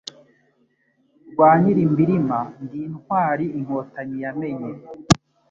rwa Nyilimbirima ndi intwali inkotanyi yamenye;